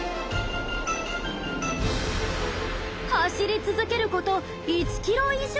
走り続けること１キロ以上！